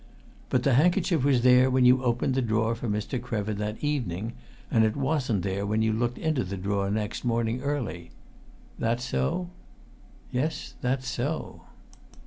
"But the handkerchief was there when you opened the drawer for Mr. Krevin that evening, and it wasn't there when you looked into the drawer next morning early? That so?" "Yes, that's so."